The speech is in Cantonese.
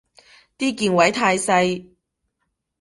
啲鍵位太細